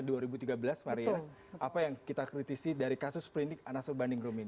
pak maria apa yang kita kritisi dari kasus perindik anasur banirung ini